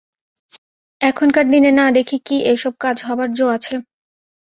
এখনকার দিনে না দেখে কি এ-সব কাজ হবার জো আছে!